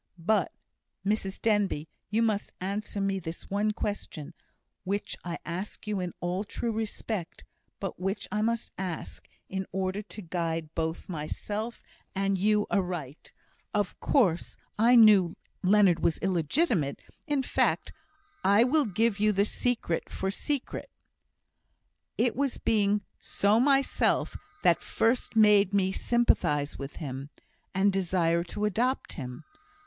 "But, Mrs Denbigh, you must answer me this one question, which I ask you in all true respect, but which I must ask, in order to guide both myself and you aright of course I knew Leonard was illegitimate in fact, I will give you secret for secret: it was being so myself that first made me sympathise with him, and desire to adopt him.